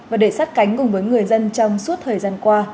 và để sát cánh cùng với người dân trong suốt thời gian qua